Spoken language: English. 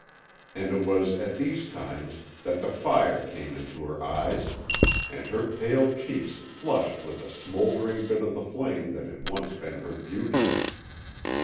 And it was at these times that the fire came into her eyes, and her pale cheeks flushed with a smouldering bit of the flame that had once been her beauty.